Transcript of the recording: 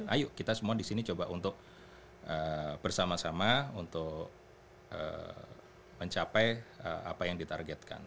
ayo kita semua di sini coba untuk bersama sama untuk mencapai apa yang ditargetkan